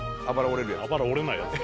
「あばら折れるやつ」